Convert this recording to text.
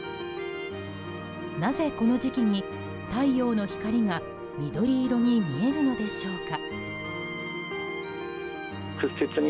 なぜこの時期に太陽の光が緑色に見えるのでしょうか。